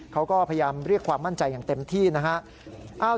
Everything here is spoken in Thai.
เขาก็พยายามเรียกความมั่นใจอย่างเต็มที่นะครับ